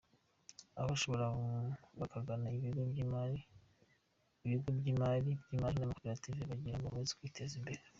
abashoboye bakagana ibigo by’imari by’imari n’amakoperative kugira ngo bakomeze kwiteza imbere.